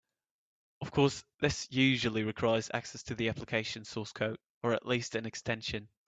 Of course, this usually requires access to the application source code (or at least an extension).